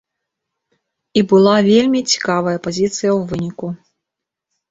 І была вельмі цікавая пазіцыя ў выніку.